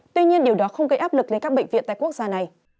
tuy nhiên điều đó không gây áp lực lên các bệnh viện tại quốc gia này